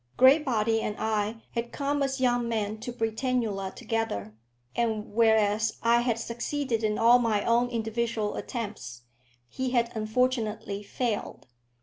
Graybody and I had come as young men to Britannula together, and whereas I had succeeded in all my own individual attempts, he had unfortunately failed.